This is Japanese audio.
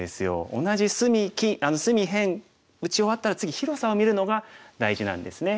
同じ隅辺打ち終わったら次広さを見るのが大事なんですね。